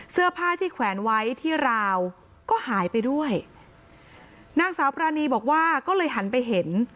เสื้อผ้าที่แขวนไว้ที่ราวก็หายไปด้วยนางสาวปรานีบอกว่าก็เลยหันไปเห็น